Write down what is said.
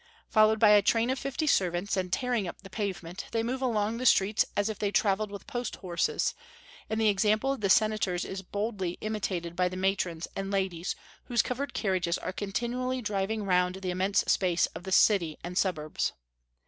Followed by a train of fifty servants, and tearing up the pavement, they move along the streets as if they travelled with post horses; and the example of the senators is boldly imitated by the matrons and ladies, whose covered carriages are continually driving round the immense space of the city and suburbs.